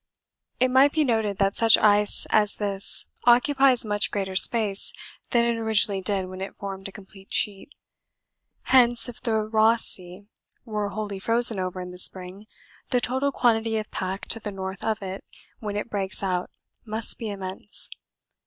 It might be noted that such ice as this occupies much greater space than it originally did when it formed a complete sheet hence if the Ross Sea were wholly frozen over in the spring, the total quantity of pack to the north of it when it breaks out must be immense.